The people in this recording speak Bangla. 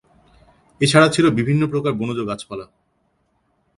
এছাড়া ছিল বিভিন্ন প্রকার বনজ গাছপালা।